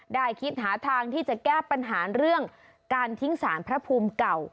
ได้คิดหาทางที่จะแก้ปัญหาเรื่องการทิ้งสารพระภูมิเก่า